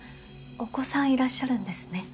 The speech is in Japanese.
お子さんいらっしゃるんですね。